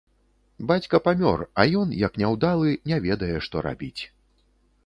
Бацька памёр, а ён, як няўдалы, не ведае, што рабіць.